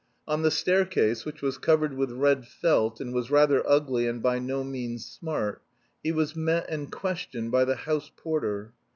On the staircase, which was covered with red felt and was rather ugly and by no means smart, he was met and questioned by the house porter.